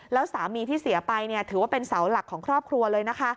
แล้วสามีที่เสียไปถือว่าเป็นเสาหลักของครอบครัวเลยนะคะ